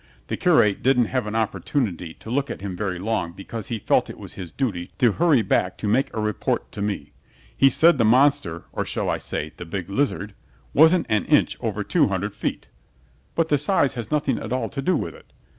The curate didn't have an opportunity to look at him very long because he felt it was his duty to hurry back to make a report to me. He said the monster, or shall I say, the big lizard? wasn't an inch over two hundred feet. But the size has nothing at all to do with it.